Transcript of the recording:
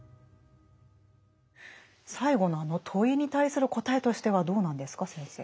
最後のあの問いに対する答えとしてはどうなんですか先生。